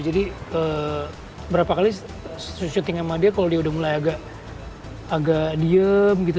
jadi berapa kali syuting sama dia kalo dia udah mulai agak diem gitu